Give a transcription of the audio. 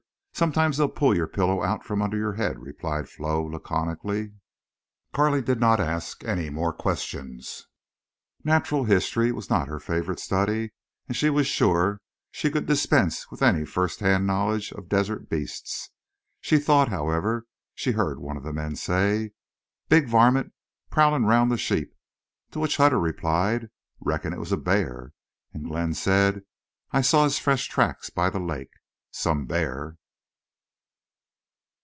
Sometimes they pull your pillow out from under your head," replied Flo, laconically. Carley did not ask any more questions. Natural history was not her favorite study and she was sure she could dispense with any first hand knowledge of desert beasts. She thought, however, she heard one of the men say, "Big varmint prowlin' round the sheep." To which Hutter replied, "Reckon it was a bear." And Glenn said, "I saw his fresh track by the lake. Some bear!"